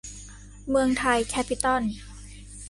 เมืองไทย แคปปิตอล